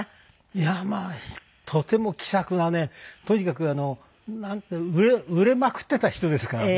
いやまあとても気さくなねとにかく売れまくっていた人ですからね。